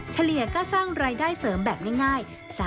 เฉลี่ยก็สร้างรายได้เสริมแบบง่าย